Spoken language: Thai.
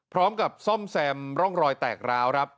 พร้อมกับซ่อมแซมร่องรอยแตกร้าวครับ